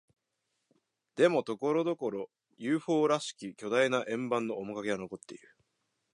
でも、ところどころ、ＵＦＯ らしき巨大な円盤の面影は残っている。